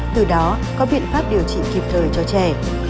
từ đó có biện pháp điều trị kịp thời cho trẻ